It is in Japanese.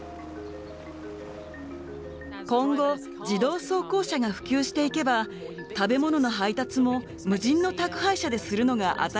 今後自動走行車が普及していけば食べ物の配達も無人の宅配車でするのが当たり前になるでしょう。